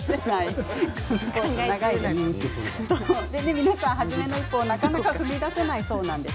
皆さん、初めの一歩をなかなか踏み出せないそうなんです。